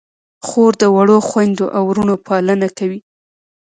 خور د وړو خویندو او وروڼو پالنه کوي.